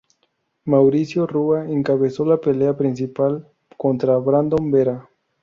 Maurício Rua encabezó la pelea principal contra Brandon Vera.